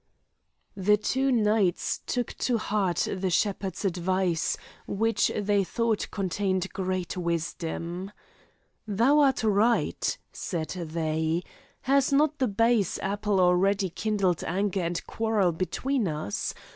The two knights took to heart the shepherd's advice, which they thought contained great wisdom. "Thou art right," said they, "has not the base apple already kindled anger and quarrel between us?